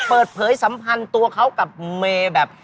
สัมพันธ์ตัวเขากับเมย์แบบ